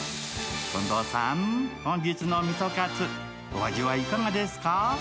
近藤さん、本日のみそかつ、お味はいかがですか？